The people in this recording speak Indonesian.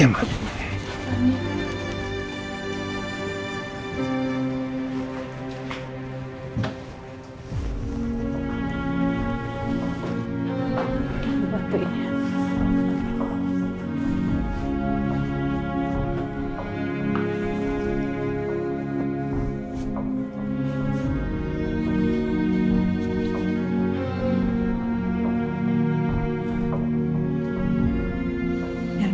semua keren banget ya